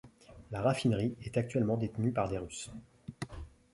La raffinerie est actuellement détenue par des Russes.